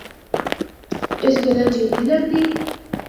اس گلا عجیب نیں لگدی۔